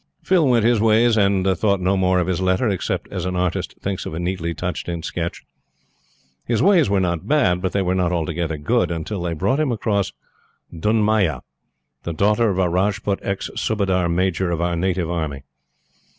Phil went his ways, and thought no more of his letter, except as an artist thinks of a neatly touched in sketch. His ways were not bad, but they were not altogether good until they brought him across Dunmaya, the daughter of a Rajput ex Subadar Major of our Native Army.